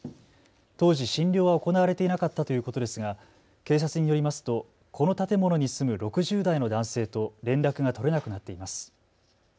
当時、診療は行われていなかったということですが警察によりますとこの建物に住む６０代の男性と連絡が取れなくなっています。